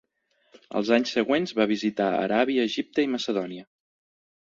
Els anys següents va visitar Aràbia, Egipte i Macedònia.